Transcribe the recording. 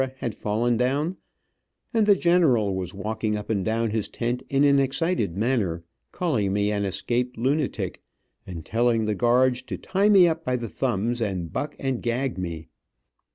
had fallen down, and the general was walking up and down his tent in an excited manner, calling me an escaped lunatic, and telling the guards to tie me up by the thumbs, and buck and gag me.